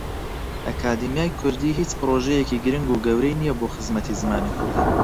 ئەکادیمیای کوردی هیچ پرۆژەیەکی گرنگ و گەورەی نییە بۆ خزمەتی زمانی کوردی.